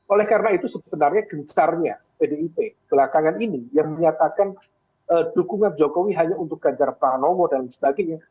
oleh karena itu sebenarnya gencarnya pdip belakangan ini yang menyatakan dukungan jokowi hanya untuk ganjar pranowo dan sebagainya